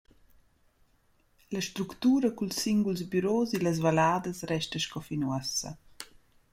La structura culs singuls büros illas valladas resta sco fin uossa.